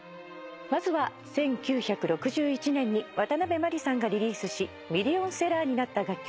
まずは１９６１年に渡辺マリさんがリリースしミリオンセラーになった楽曲